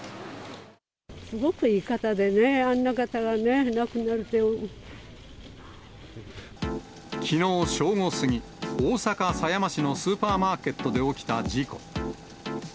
すごくいい方でね、きのう正午過ぎ、大阪狭山市のスーパーマーケットで起きた事故。